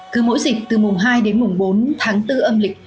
cứ mỗi dịp từ mùng hai đến mùng bốn tháng bốn âm lịch